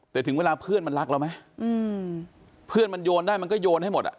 แต่ถึงเวลาเพื่อนมันรักเราไหมเพื่อนมันโยนได้มันก็โยนให้หมดอ่ะ